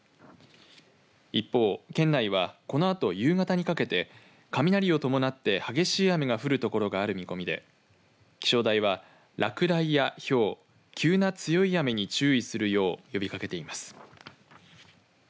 一方、県内はこのあと夕方にかけて雷を伴って激しい雨が降るところがある見込みで気象台は落雷やひょう急な強い雨に注意するよう呼びかけています。